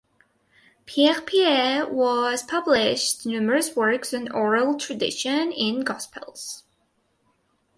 Pierre Perrier has published numerous works on oral tradition in the gospels.